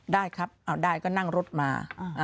ได้ครับเอาได้ก็นั่งรถมา